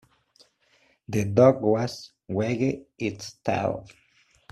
The dog was wagged its tail.